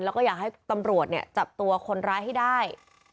แล้วก็อยากให้ตำรวจเนี่ยจับตัวคนร้ายให้ได้